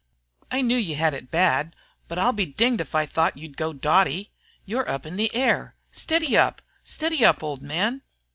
I knew you had it bad, but I'll be dinged if I thought you'd go dotty. You're up in the air. Steady up! Steady up, old man!